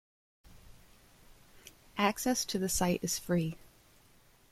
Access to the site is free.